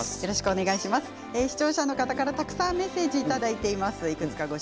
視聴者の方からたくさんメッセージいただいています。